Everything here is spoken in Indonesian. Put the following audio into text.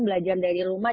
belajar dari rumah